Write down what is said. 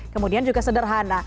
kemudian juga sederhana